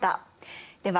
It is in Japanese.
では